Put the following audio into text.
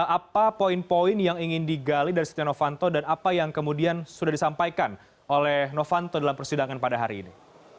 apa poin poin yang ingin digali dari setia novanto dan apa yang kemudian sudah disampaikan oleh novanto dalam persidangan pada hari ini